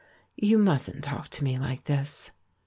"You mustn't talk to me like this."